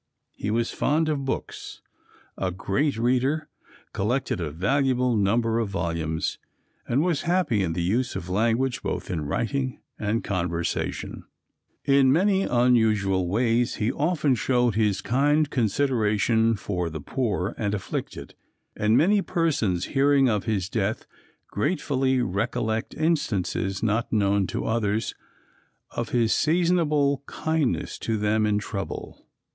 He was fond of books, a great reader, collected a valuable number of volumes, and was happy in the use of language both in writing and conversation. In many unusual ways he often showed his kind consideration for the poor and afflicted, and many persons hearing of his death gratefully recollect instances, not known to others, of his seasonable kindness to them in trouble.